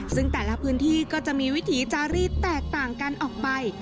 ซึ่งแต่ละพื้นที่ก็จะมีวิถีจารีดแตกต่างกันออกไป